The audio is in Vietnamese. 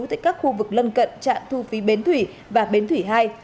tại các khu vực lân cận trạm thu phí bến thủy và bến thủy hai